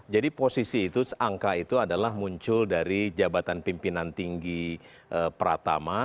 jadi posisi itu angka itu adalah muncul dari jabatan pimpinan tinggi pratama